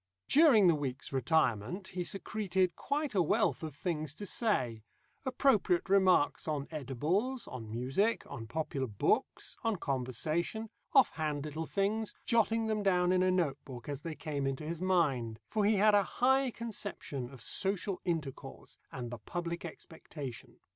During the week's retirement he secreted quite a wealth of things to say appropriate remarks on edibles, on music, on popular books, on conversation, off hand little things, jotting them down in a note book as they came into his mind, for he had a high conception of social intercourse, and the public expectation.